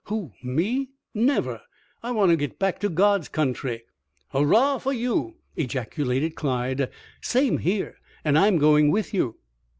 "Who, me? Never! I want to get back to God's country." "Hurrah for you!" ejaculated Clyde. "Same here. And I'm going with you."